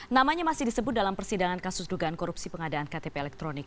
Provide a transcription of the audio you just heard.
namanya masih disebut dalam persidangan kasus dugaan korupsi pengadaan ktp elektronik